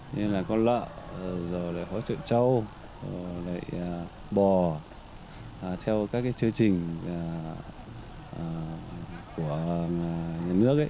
như là con lợ rồi hỗ trợ châu bò theo các chương trình của nhà nước